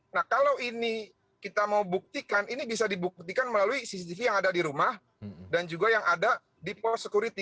nah kalau ini kita mau buktikan ini bisa dibuktikan melalui cctv yang ada di rumah dan juga yang ada di post security